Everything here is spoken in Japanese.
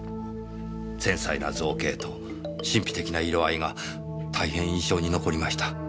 繊細な造形と神秘的な色合いが大変印象に残りました。